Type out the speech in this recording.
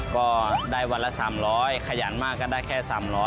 ก็ได้วันละ๓๐๐ขยันมากก็ได้แค่๓๐๐